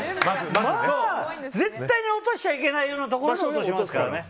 絶対に落としちゃいけないとこで落としますから。